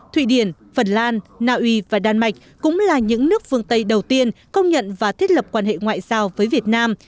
thụy điển phần lan naui và đan mạch cũng là những nước phương tây đầu tiên công nhận và thiết lập quan hệ ngoại giao với việt nam